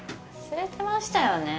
忘れてましたよね。